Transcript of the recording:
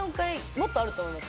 もっとあると思います。